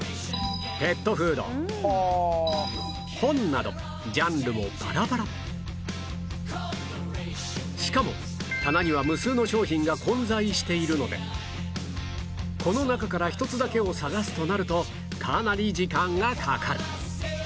などジャンルもバラバラしかも棚には無数の商品が混在しているのでこの中から１つだけを探すとなるとかなり時間がかかる